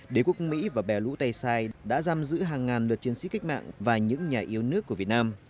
đế quốc mỹ và bè lũ tay sai đã giam giữ hàng ngàn lượt chiến sĩ cách mạng và những nhà yêu nước của việt nam